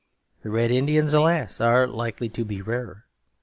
The Red Indians, alas, are likely to be rarer.